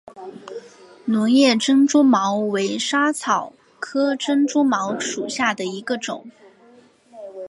轮叶珍珠茅为莎草科珍珠茅属下的一个种。